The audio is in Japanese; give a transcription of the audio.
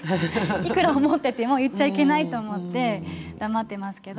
いくら思っていても言っちゃいけないと思って黙っていますけれど。